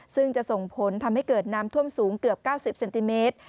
ซึ่งจะส่งผลทำให้เกิดน้ำท่วมสูงเกือบ๙๐เซนติเมตร